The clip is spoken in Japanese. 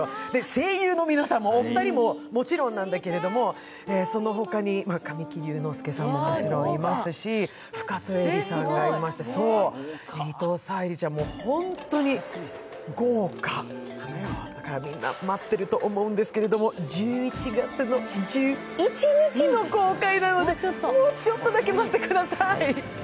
声優の皆さん、お二人ももちろんなんだけど、そのほかに神木隆之介さんももちろんいますし深津絵里さんもいまして伊藤沙莉ちゃんも、もう本当に豪華だからみんな待ってると思うんだけれども、１１月１１日の公開なのでもうちょっとだけ待ってください。